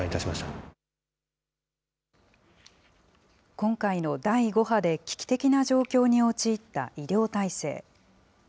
今回の第５波で危機的な状況に陥った医療体制。